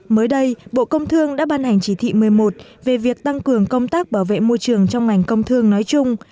mới đây bộ công thương đã ban hành chỉ thị một mươi một về việc tăng cường công tác bảo vệ môi trường trong ngành công thương nói chung